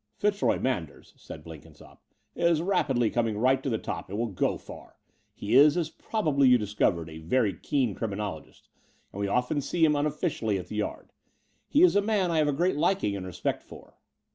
"Pitzroy Manders," said Blenkinsopp, "is rapidly coming right to the top and will go far. He is, as probably you discovered, a very keen criminologist; and we often see him imofficially at the Yard. He is a man I have a great liking and respect for."